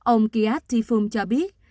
ông kiat tifum cho biết